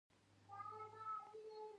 د ارکاني خربوزه ډیره خوږه وي.